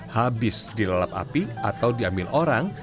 habis dilelap api atau diambil orang